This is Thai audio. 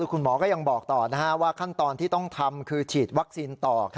คุณหมอก็ยังบอกต่อว่าขั้นตอนที่ต้องทำคือฉีดวัคซีนต่อ